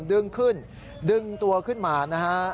ดึงขึ้นดึงตัวขึ้นมานะฮะ